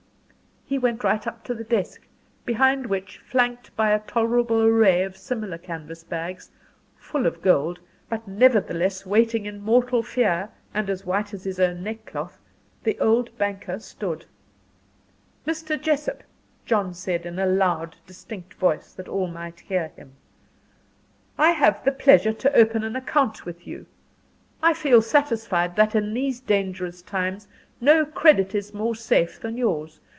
He went right up to the desk, behind which, flanked by a tolerable array of similar canvas bags, full of gold but nevertheless waiting in mortal fear, and as white as his own neck cloth the old banker stood. "Mr. Jessop," John said, in a loud, distinct voice, that all might hear him, "I have the pleasure to open an account with you. I feel satisfied that in these dangerous times no credit is more safe than yours.